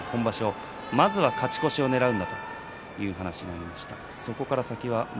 まずは勝ち越しをねらうんだということを話していました金峰山。